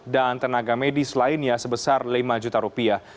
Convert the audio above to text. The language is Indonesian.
dan tenaga medis lainnya sebesar lima juta rupiah